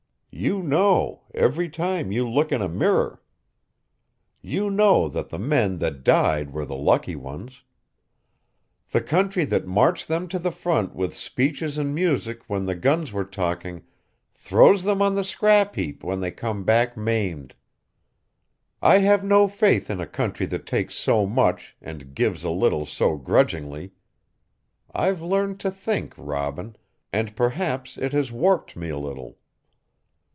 You know, every time you look in a mirror. You know that the men that died were the lucky ones. The country that marched them to the front with speeches and music when the guns were talking throws them on the scrapheap when they come back maimed. I have no faith in a country that takes so much and gives a little so grudgingly. I've learned to think, Robin, and perhaps it has warped me a little.